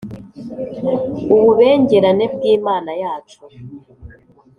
ububengerane bw’Imana yacu.